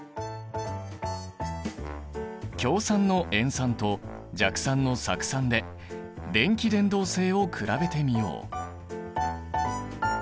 強酸の塩酸と弱酸の酢酸で電気伝導性を比べてみよう。